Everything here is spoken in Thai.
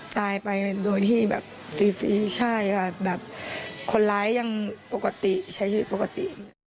ตายไปโดยที่แบบฟรีใช่ค่ะแบบคนร้ายยังปกติใช้ชีวิตปกติ